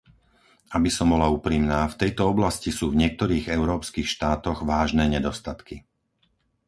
Aby som bola úprimná, v tejto oblasti sú v niektorých európskych štátoch vážne nedostatky.